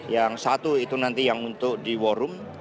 yang satu itu nanti yang untuk di warung